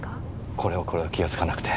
これはこれは気が付かなくて。